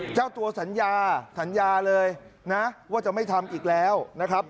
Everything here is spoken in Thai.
เจ้าตัวสัญญาสัญญาเลยนะว่าจะไม่ทำอีกแล้วนะครับ